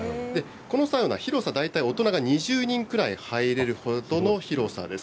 このサウナ、広さ大体、大人が２０人くらい入れるほどの広さです。